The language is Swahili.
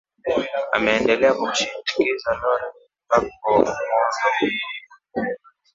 ameendelea kumshinikiza lauren badgbo kuondo